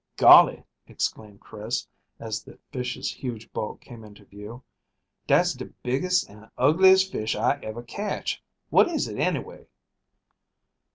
"Golly!" exclaimed Chris, as the fish's huge bulk came into view. "Dat's de biggest an' ugliest fish I ever catched. What is hit, anyway?"